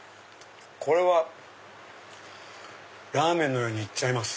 これはラーメンのようにいっちゃいます。